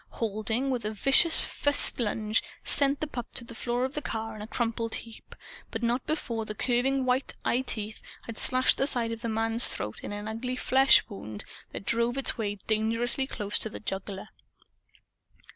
Halding, with a vicious fist lunge, sent the pup to the floor of the car in a crumpled heap, but not before the curving white eyeteeth had slashed the side of the man's throat in an ugly flesh wound that drove its way dangerously close to the jugular.